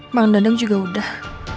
bang dandang juga udah